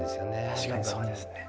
確かにそうですね。